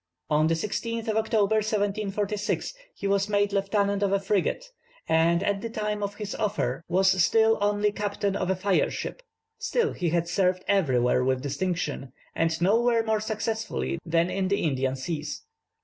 On the 16th of October, 1746, he was made lieutenant of a frigate, and at the time of his offer was still only captain of a fire ship. Still he had served everywhere with distinction, and nowhere more successfully than in the Indian Seas.